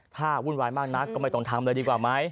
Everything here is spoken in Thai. ถ้าวุ่นวายมากนักก็ไม่ต้องทำเลยดีกว่าไหม